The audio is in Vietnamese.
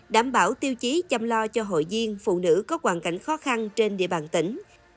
đảm bảo tiêu chí chăm lo cho hội viên phụ nữ có hoàn cảnh khó khăn trên địa bàn tỉnh